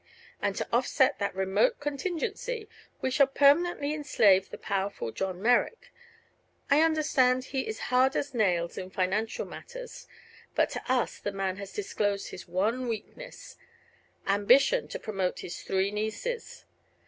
And to offset that remote contingency we shall permanently enslave the powerful John Merrick. I understand he is hard as nails in financial matters; but to us the man has disclosed his one weakness ambition to promote his three nieces.